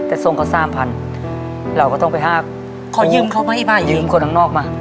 แต่ทรงเขาสามพันเราก็ต้องไปห้าขอยืมเขาไหมยืมคนข้างนอกมา